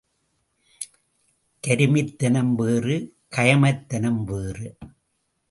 கருமித்தனம் வேறு கயமைத்தனம் வேறு.